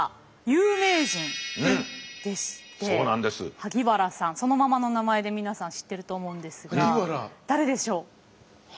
萩原さんそのままのおなまえで皆さん知ってると思うんですが誰でしょう？